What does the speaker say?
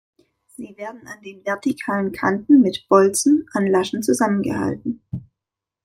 Sie werden an den vertikalen Kanten mit Bolzen an Laschen zusammengehalten.